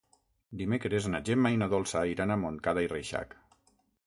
Dimecres na Gemma i na Dolça iran a Montcada i Reixac.